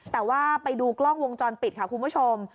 แต่ว่าไปดูกล้องวงจรปิดค่ะคุณผู้ชม